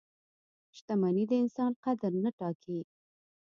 • شتمني د انسان قدر نه ټاکي.